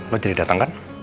loh jadi datang kan